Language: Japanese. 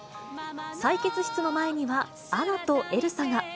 採血室の前には、アナとエルサが。